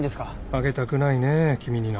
あげたくないね君になど。